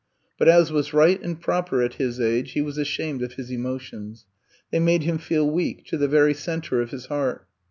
But as was right and proper at his age, he was ashamed of his emotions; they made him feel weak to the very center of his heart.